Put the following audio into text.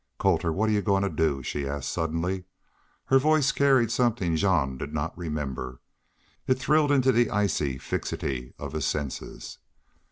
"Colter, what are y'u goin' to do?" she asked, suddenly. Her voice carried something Jean did not remember. It thrilled into the icy fixity of his senses.